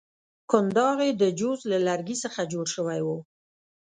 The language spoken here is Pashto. کنداغ یې د جوز له لرګي څخه جوړ شوی وو.